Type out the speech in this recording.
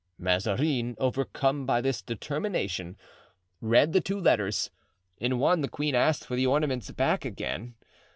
Mazarin, overcome by this determination, read the two letters. In one the queen asked for the ornaments back again.